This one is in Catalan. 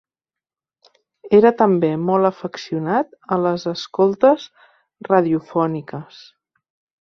Era també molt afeccionat a les escoltes radiofòniques.